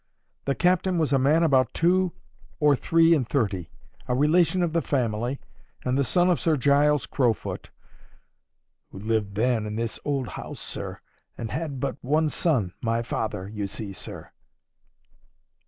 The captain was a man about two or three and thirty, a relation of the family, and the son of Sir Giles Crowfoot'—who lived then in this old house, sir, and had but that one son, my father, you see, sir.